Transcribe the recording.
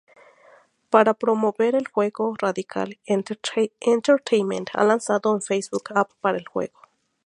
Para promover el juego, Radical Entertainment ha lanzado un Facebook app para el juego.